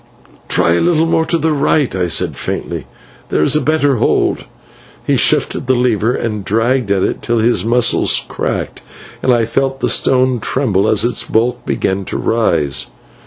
"Try a little more to the right," I said, faintly; "there is a better hold." He shifted the lever and dragged at it till his muscles cracked, and I felt the stone tremble as its bulk began to rise.